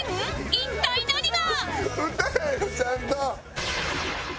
一体何が？